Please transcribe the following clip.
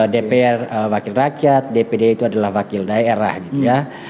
dpr wakil rakyat dpd itu adalah wakil daerah gitu ya